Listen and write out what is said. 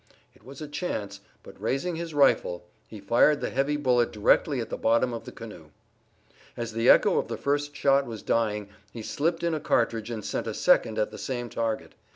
It was a last chance, but raising his rifle he fired the heavy bullet directly at the bottom of the canoe. As the echo of the first shot was dying he slipped in a cartridge and sent a second at the same target.